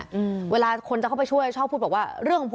อืมเวลาคนจะเข้าไปช่วยชอบพูดบอกว่าเรื่องของผม